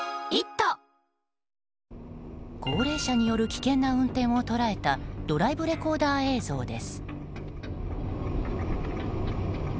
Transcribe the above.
高齢者による危険な運転を捉えたドライブレコーダー映像です。